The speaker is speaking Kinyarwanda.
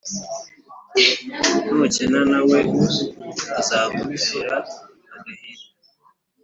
nukina na we, azagutera agahinda.